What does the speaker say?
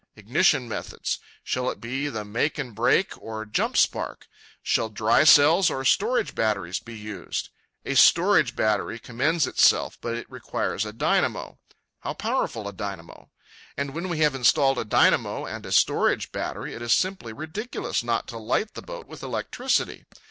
—Ignition methods; shall it be make and break or jump spark? Shall dry cells or storage batteries be used? A storage battery commends itself, but it requires a dynamo. How powerful a dynamo? And when we have installed a dynamo and a storage battery, it is simply ridiculous not to light the boat with electricity.